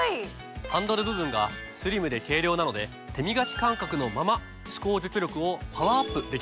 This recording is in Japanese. ハンドル部分がスリムで軽量なので手みがき感覚のまま歯垢除去力をパワーアップできるんです。